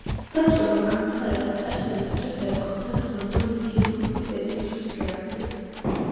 ვაჭრობამ განვითარება სპარსელების დროს დაიწყო, საგრძნობ დონეს კი რომის იმპერიის დროს მიაღწია.